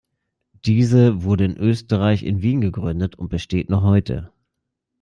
Diese wurde in Österreich in Wien gegründet und besteht noch heute.